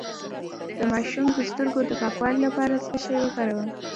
د ماشوم د سترګو د پاکوالي لپاره څه شی وکاروم؟